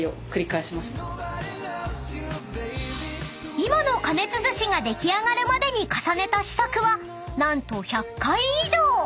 ［今の加熱寿司が出来上がるまでに重ねた試作は何と１００回以上］